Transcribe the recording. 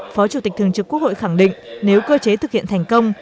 phó chủ tịch thường trực quốc hội khẳng định nếu cơ chế thực hiện thành công